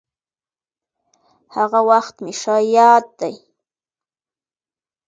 هغه وخت مې ښه ياد دي.